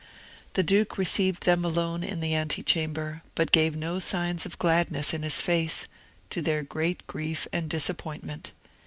The duke received them alone in the antechamber, but gave no sign of gladness in his face, to their great grief and disappointment.